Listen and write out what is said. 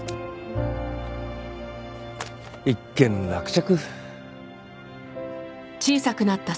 一件落着。